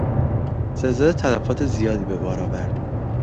زلزله تلفات زیادی به بار آورد.